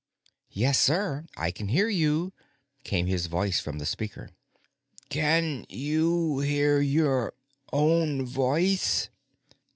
"Yes, sir; I can hear you," came his voice from the speaker. "Can you hear your own voice?"